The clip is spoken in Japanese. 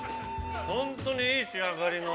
本当にいい仕上がりの。